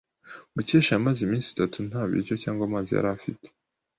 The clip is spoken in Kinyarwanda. Mukesha yamaze iminsi itatu nta biryo cyangwa amazi yari afite.